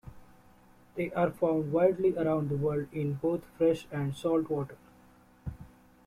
They are found widely around the world in both fresh and salt water.